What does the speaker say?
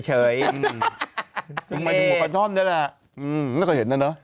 จึงมาถึงหัวปลาช่อนได้แหละมันก็เห็นแล้วเนอะ